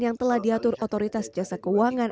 yang telah diatur otoritas jasa keuangan